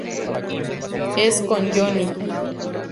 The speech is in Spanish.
Es con Johnny St.